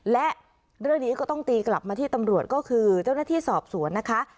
และเรื่องนี้ก็ต้องตีกลับมาที่ตำรวจก็คือเจ้าหน้าที่สอบสวนนะคะ